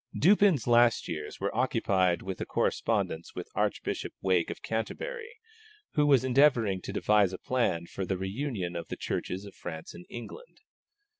Dupin's last years were occupied with a correspondence with Archbishop Wake of Canterbury, who was endeavouring to devise a plan for the reunion of the Churches of France and England.